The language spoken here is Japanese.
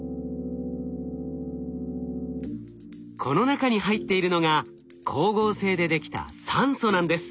この中に入っているのが光合成でできた酸素なんです。